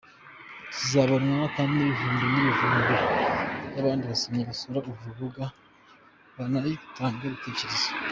Zizabonwa kandi nibihumbi nibihumbi byabandi basomyi basura uru rubuga , banayitangeho ibitekerezo.